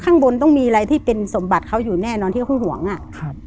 ข้างบนต้องมีอะไรที่เป็นสมบัติเขาอยู่แน่นอนที่เขาคงห่วงอ่ะครับ